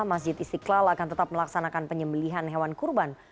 masjid istiqlal akan tetap melaksanakan penyembelihan hewan kurban